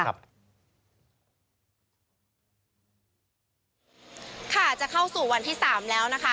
ค่ะจะเข้าสู่วันที่๓แล้วนะคะ